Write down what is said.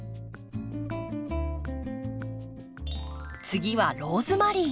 次はローズマリー。